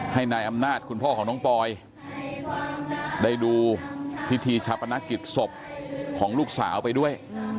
ให้นายอำนาจคุณพ่อของน้องปอยได้ดูพิธีชาปนกิจศพของลูกสาวไปด้วย